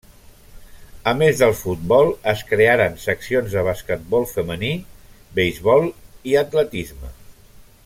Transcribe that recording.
A més del futbol es crearen seccions de basquetbol femení, beisbol i atletisme.